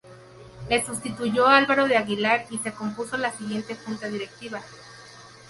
Le sustituyó Álvaro de Aguilar, y se compuso la siguiente junta directiva.